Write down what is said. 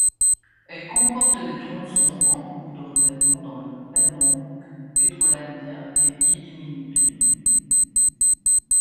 Elle comporte des tronçons encours de revêtement dans le Pernambouc, Petrolândia et Ibimirim.